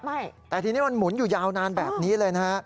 ไม่แต่ทีนี้มันหมุนอยู่ยาวนานแบบนี้เลยนะฮะ